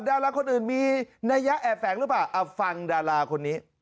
ดาราคนอื่นมีนัยยะแอบแฝงหรือเปล่าเอาฟังดาราคนนี้